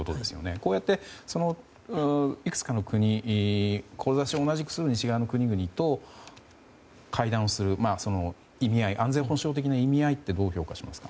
こうやっていくつかの志を同じくする西側の国々と会談をする、安全保障的な意味合いをどう評価しますか？